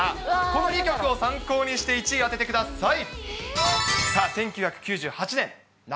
この２曲を参考にして、１位を当ててください。